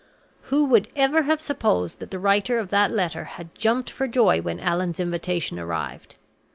Who would ever have supposed that the writer of that letter had jumped for joy when Allan's invitation arrived?